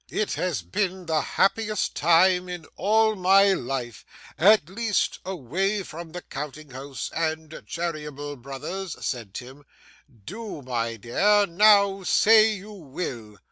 'It has been the happiest time in all my life; at least, away from the counting house and Cheeryble Brothers,' said Tim. 'Do, my dear! Now say you will.